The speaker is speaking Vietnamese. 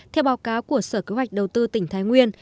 theo báo cáo của sở kế hoạch đầu tư tỉnh thái nguyên